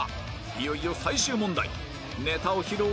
いよいよ最終問題